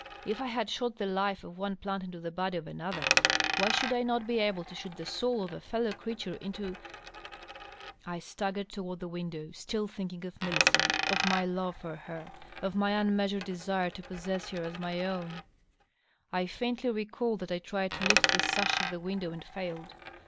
If I had shot the life of one plant into the body of another, why should I not be able to shoot the soul of a fellow creature into——? I staggered toward the window, still thinking of Millicent, of my love for ner, of my unmeasured desire to possess ner as my own. .. I 584 DOUGLAS DUANE. faintly recall that I tried to lift the sash of the window and &iled.